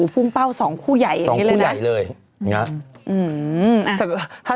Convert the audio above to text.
ภูมิเป้าสองคู่ใหญ่เลยนะ